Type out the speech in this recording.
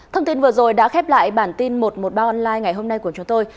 thông tin vừa rồi đã khép lại bản tin một trăm một mươi ba online ngày hôm nay của chúng tôi